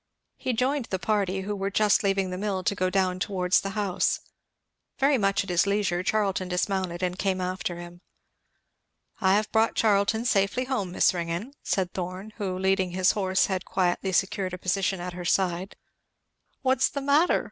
He joined the party, who were just leaving the mill to go down towards the house. Very much at his leisure Charlton dismounted and came after him. "I have brought Charlton safe home, Miss Ringgan," said Thorn, who leading his horse had quietly secured a position at her side. "What's the matter?"